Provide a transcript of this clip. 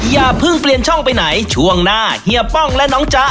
อย่าเพิ่งเปลี่ยนช่องไปไหนช่วงหน้าเฮียป้องและน้องจ๊ะ